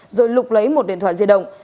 rồi lục lấy một điện thoại diệt động